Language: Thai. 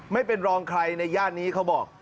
ไม่เป็นรองใครในย่านนี้เขาบอก